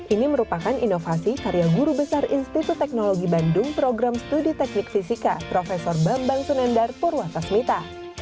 ini merupakan inovasi karya guru besar institut teknologi bandung program studi teknik fisika prof bambang sunendar purwatasmita